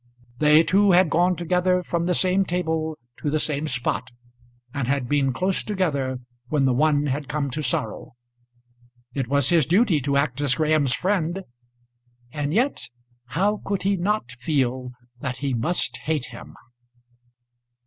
They two had gone together from the same table to the same spot, and had been close together when the one had come to sorrow. It was his duty to act as Graham's friend; and yet how could he not feel that he must hate him?